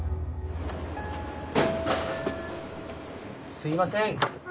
すいません。